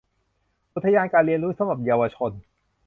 อุทยานการเรียนรู้สำหรับเยาวชน